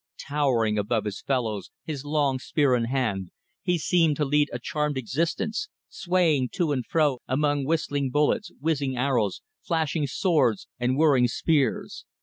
Towering above his fellows, his long spear in hand, he seemed to lead a charmed existence, swaying to and fro among whistling bullets, whizzing arrows, flashing swords and whirring spears.